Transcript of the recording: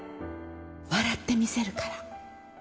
笑ってみせるから。